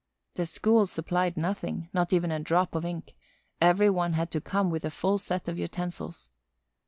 The school supplied nothing, not even a drop of ink; every one had to come with a full set of utensils.